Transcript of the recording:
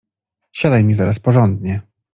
Siadaj mi zaraz porządnie!